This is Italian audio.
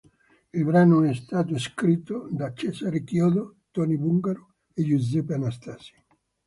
Il brano è stato scritto da Cesare Chiodo, Tony Bungaro e Giuseppe Anastasi.